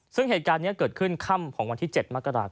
ซึ่งเหตุการณ์นี้เกิดขึ้นค่ำของวันที่๗มกราศ